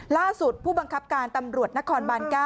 ผู้บังคับการตำรวจนครบาน๙